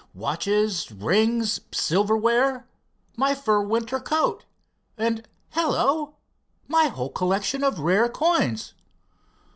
"Watches, rings, silverware, my fur winter coat, and hello my whole collection of rare coins!